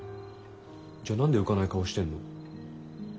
じゃあ何で浮かない顔してんの？